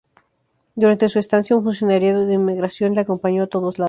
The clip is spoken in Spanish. Durante su estancia, un funcionario de inmigración le acompañó a todos lados.